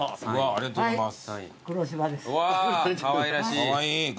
ありがとうございます。